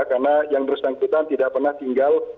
karena yang bersangkutan tidak pernah tinggal